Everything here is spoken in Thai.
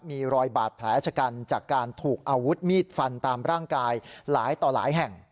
มีรอยบาดแผลชะกันจากการถูกอาวุธมีดฟันตามร่างกายหลายต่อหลายแห่ง